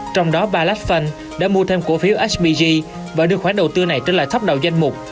trong đó bà lách fund đã mua thêm cổ phiếu spg và đưa khoản đầu tư này trở lại top đầu danh mục